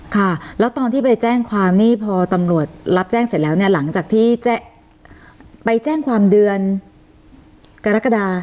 ค่ะแล้วตอนที่ไปแจ้งความนี่พอตำรวจรับแจ้งเสร็จแล้วเนี่ยหลังจากที่ไปแจ้งความเดือนกรกฎา